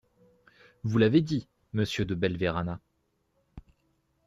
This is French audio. Vous l’avez dit, Monsieur De Belverana.